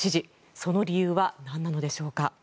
その理由は何なのでしょうか。